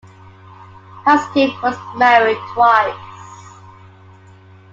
Haskin was married twice.